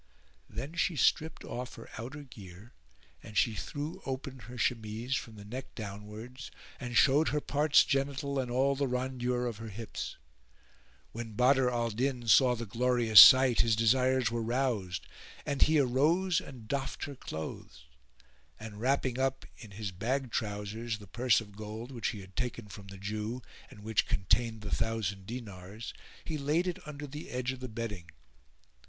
Then she stripped off her outer gear and she threw open her chemise from the neck downwards and showed her parts genital and all the rondure of her hips. When Badr al Din saw the glorious sight his desires were roused, and he arose and doffed his clothes, and wrapping up in his bag trousers [FN#425] the purse of gold which he had taken from the Jew and which contained the thousand dinars, he laid it under the edge of the bedding.